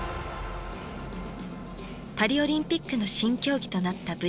パリオリンピックの新競技となったブレイキン。